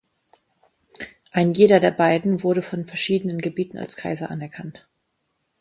Ein jeder der beiden wurde von verschiedenen Gebieten als Kaiser anerkannt.